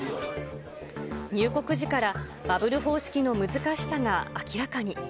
入国時から、バブル方式の難しさが明らかに。